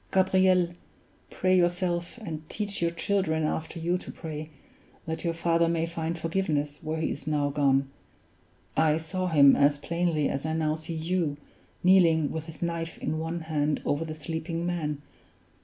"Gabriel, pray yourself, and teach your children after you to pray, that your father may find forgiveness where he is now gone. I saw him as plainly as I now see you, kneeling with his knife in one hand over the sleeping man.